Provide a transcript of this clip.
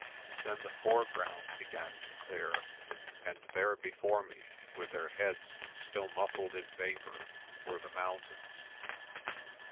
Then the foreground began to clear, and there before me, with their heads still muffled in vapour, were the mountains.